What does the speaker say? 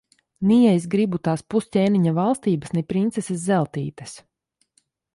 Ni es gribu tās pusķēniņa valstības, ni princeses Zeltītes.